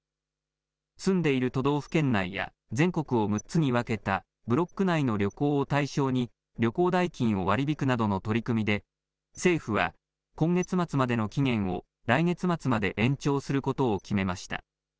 住んでいる都道府県内や全国を６つに分けたブロック内の旅行を対象に、旅行代金を割り引くなどの取り組みで、政府は今月末までの期限を来月末まで延長することを決めました。